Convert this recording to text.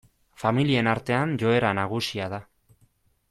Familien artean joera nagusia da.